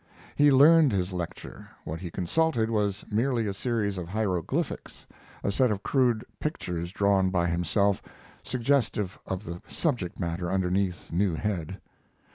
He learned his lecture; what he consulted was merely a series of hieroglyphics, a set of crude pictures drawn by himself, suggestive of the subject matter underneath new head.